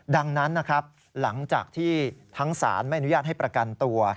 ดังนั้นนะครับหลังจากที่ทั้งศาลไม่อนุญาตให้ประกันตัว